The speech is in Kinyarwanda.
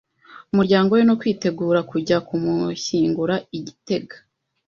umuryango we no kwitegura kujya kumushyingura i Gitega.